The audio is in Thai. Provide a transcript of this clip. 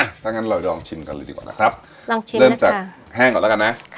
ถ้างั้นเราลองชิมกันเลยดีกว่านะครับลองชิมเริ่มจากแห้งก่อนแล้วกันนะ